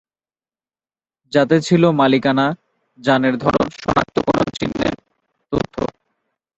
যাতে ছিল মালিকানা, যানের ধরন, শনাক্তকরণ চিহ্নের তথ্য।